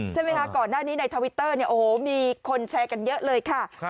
ใช่ไหมคะก่อนหน้านี้ในทวิตเตอร์เนี่ยโอ้โหมีคนแชร์กันเยอะเลยค่ะ